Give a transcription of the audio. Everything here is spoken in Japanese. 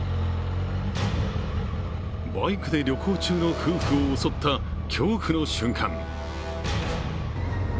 バイクで旅行中の夫婦を襲った恐怖の瞬間。